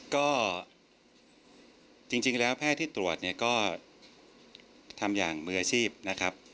ก็จริงแล้วแพทย์ที่ตรวจเนี่ยก็ทำอย่างมืออาชีพนะครับ